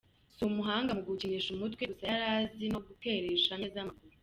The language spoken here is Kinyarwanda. Si umuhanga mu gukinisha umutwe gusa yari azi no guteresha neza amaguru.